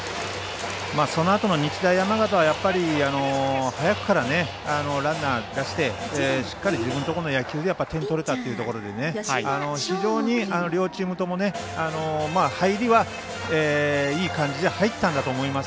そのあとの日大山形は早くからランナー出してしっかり自分のところの野球で点を取れたというところで非常に両チームとも入りは、いい感じで入ったんだと思います。